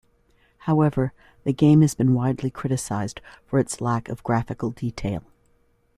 However, the game has been widely criticized for its lack of graphical detail.